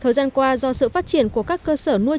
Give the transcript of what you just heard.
thời gian qua do sự phát triển của các cơ sở nuôi